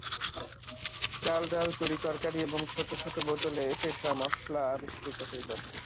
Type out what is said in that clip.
চাল-ডাল, তরি-তরকারি এবং ছোটো ছোটো বোতলে পেষা মশলা আবিষ্কৃত হইল।